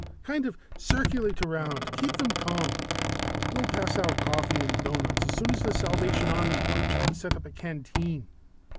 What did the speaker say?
Kind of circulate around, keep them calm. We'll pass out coffee and doughnuts as soon as the Salvation Army bunch can set up a canteen."